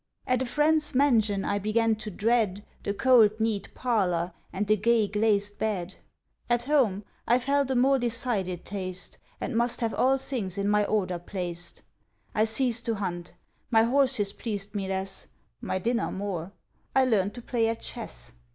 At a friend's mansion I began to dread The cold neat parlor and the gay glazed bed; At home I felt a more decided taste, And must have all things in my order placed. I ceased to hunt; my horses pleased me less, My dinner more; I learned to play at chess.